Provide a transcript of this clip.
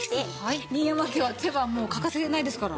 新山家は手羽はもう欠かせないですから。